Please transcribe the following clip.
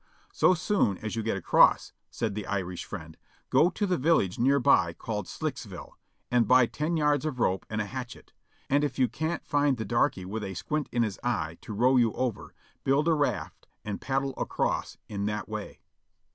"So soon as you get across," said the Irish friend, "go to the village near by called Slicksville, and buy ten yards of rope and a hatchet, and if you can't find the darky with a squint in his eye, to row you over, build a raft and paddle across in that way."